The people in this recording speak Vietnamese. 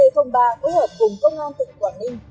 c ba phù hợp cùng công an tỉnh quảng ninh